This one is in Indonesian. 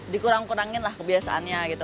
dikurang kuranginlah kebiasaannya gitu